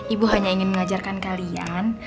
ibu hanya ingin mengajarkan kalian